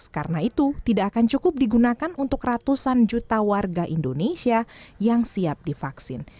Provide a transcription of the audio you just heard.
karena itu tidak akan cukup digunakan untuk ratusan juta warga indonesia yang siap divaksin